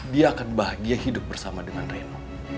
dia akan bahagia hidup bersama dengan reno